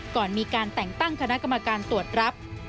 ก่อนมีการแต่งตั้งคณะกรรมการตรวจรับ